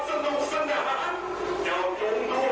เจ้าจงดูให้เกิดหลามคิดแล้วยอดถามใจตัวเองว่า